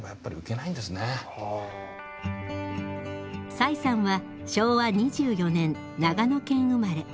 崔さんは昭和２４年長野県生まれ。